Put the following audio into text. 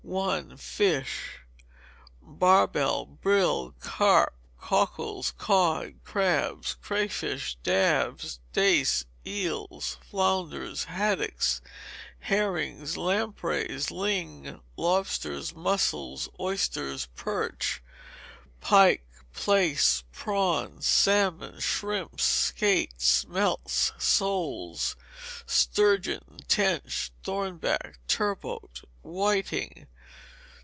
i. Fish. Barbel, brill, carp, cockles, cod, crabs, cray fish, dabs, dace, eels, flounders, haddocks, herrings, lampreys, ling, lobsters, mussels, oysters, perch, pike, plaice, prawns, salmon, shrimps, skate, smelts, soles, sturgeon, tench, thornback, turbot, whiting.